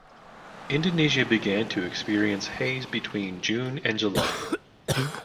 Indonesia began to experience haze between June and July.